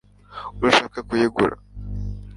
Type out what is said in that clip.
urashaka kuyigura